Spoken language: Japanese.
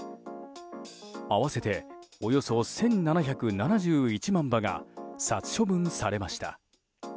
合わせて、およそ１７７１万羽が殺処分されました。